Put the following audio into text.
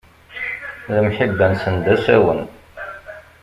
Lemḥibba-nsen, d asawen.